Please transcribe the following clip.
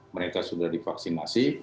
mereka sudah divaksinasi